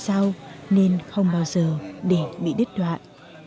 sau nên không bao giờ để bị đứt đoạn